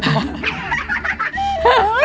เนี้ยหอมดูดี